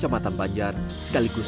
sebuah terobosan yang menekankan